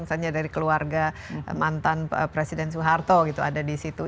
misalnya dari keluarga mantan presiden soeharto gitu ada di situ